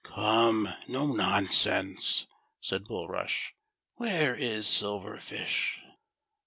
" Come, no nonsense," said Bulrush ;" where is Silver Fish